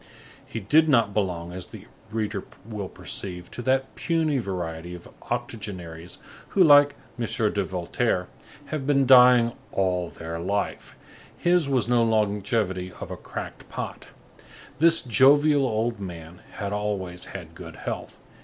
He did not belong, as the reader will perceive, to that puny variety of octogenaries who, like M. de Voltaire, have been dying all their life; his was no longevity of a cracked pot; this jovial old man had always had good health.